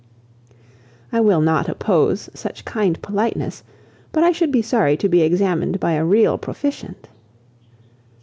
"I will not oppose such kind politeness; but I should be sorry to be examined by a real proficient."